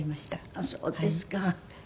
あっそうですか。